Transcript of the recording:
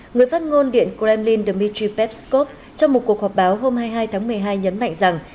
người phát ngôn điện kremlin dmitry peskov trong một cuộc họp báo hôm hai mươi hai tháng một mươi hai nhấn mạnh rằng